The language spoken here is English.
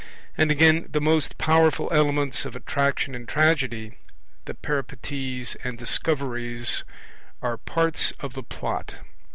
And again: the most powerful elements of attraction in Tragedy, the Peripeties and Discoveries, are parts of the Plot.